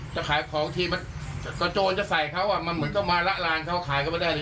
จะขายของทีมันกระโจนจะใส่เขามันเหมือนต้องมาละลานเขาขายก็ไม่ได้เลย